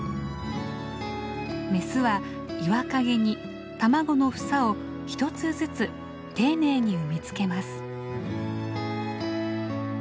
メスは岩陰に卵の房を１つずつ丁寧に産み付けます。